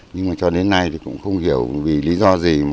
nhưng mà cho đến nay thì cũng không hiểu vì lý do gì